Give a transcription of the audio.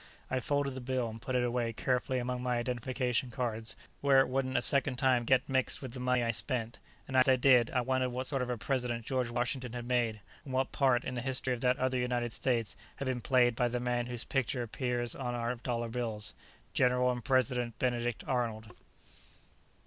I folded the bill and put it away carefully among my identification cards, where it wouldn't a second time get mixed with the money I spent, and as I did, I wondered what sort of a President George Washington had made, and what part, in the history of that other United States, had been played by the man whose picture appears on our dollar bills General and President Benedict Arnold. THE END.